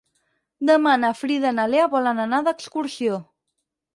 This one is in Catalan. Demà na Frida i na Lea volen anar d'excursió.